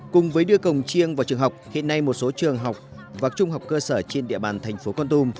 cùng với đưa cổng chiêng vào trường học hiện nay một số trường học và trung học cơ sở trên địa bàn thành phố con tum